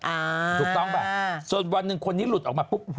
อ่าใช่ไหมส่วนตอนนึงคนนี้หลุดออกมาปุ๊บ